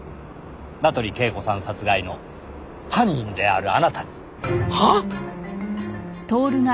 名取恵子さん殺害の犯人であるあなたに。はあ！？